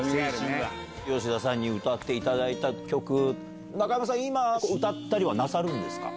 吉田さんに歌っていただいた曲、中山さん、今、歌ったりはなさるんですか。